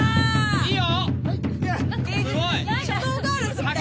いいよ！